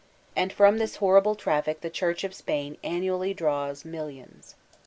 And from this horrible traffic the Church of Spain annually draws millions.